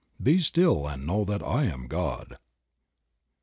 "Be still and know that I Am God."